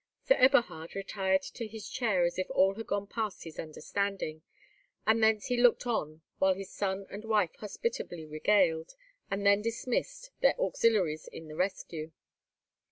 Sir Eberhard retired to his chair as if all had gone past his understanding, and thence he looked on while his son and wife hospitably regaled, and then dismissed, their auxiliaries in the rescue.